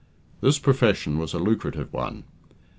This profession was a lucrative one.